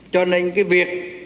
cho nên cái việc